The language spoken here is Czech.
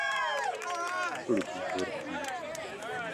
Ludvík Horký.